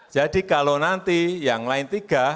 jadi kalau nanti yang lain tiga